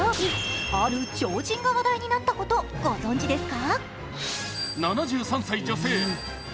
日曜日、ある超人が話題になったこと、ご存じですか？